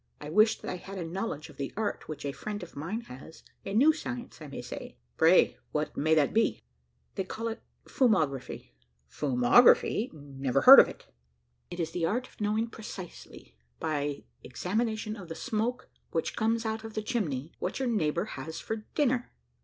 I wish that I had a knowledge of the art which a friend of mine has a new science, I may say." "Pray what may that be?" "They call it fumography." "Fumography! never heard of it." "It is the art of knowing precisely, by examination of the smoke which comes out of the chimney, what your neighbour has for dinner."